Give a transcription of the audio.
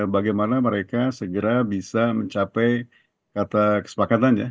bagaimana mereka segera bisa mencapai kata kesepakatannya